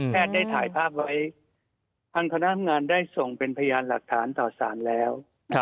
ได้ถ่ายภาพไว้ทางคณะงานได้ส่งเป็นพยานหลักฐานต่อสารแล้ว